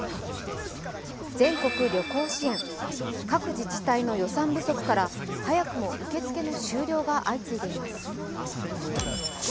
全国旅行支援、各自治体の予算不足から早くも受け付けの終了が相次いでいます。